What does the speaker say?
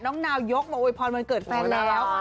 น้องนาวยกโมยพรมวันเกิดแฟนแล้ว